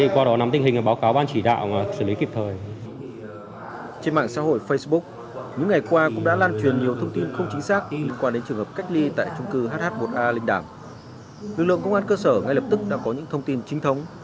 hh một a linh đảng lực lượng công an cơ sở ngay lập tức đã có những thông tin chính thống